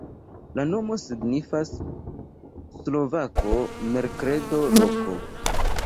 La nomo signifas: slovako-merkredo-loko.